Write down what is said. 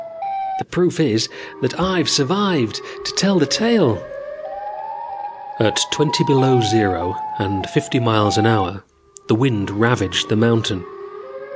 The proof is that I've survived to tell the tale." At twenty below zero and fifty miles an hour the wind ravaged the mountain.